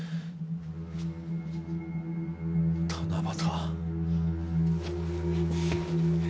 七夕。